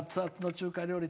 中華料理